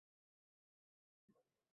Alhol, bu ayolni eslolmadi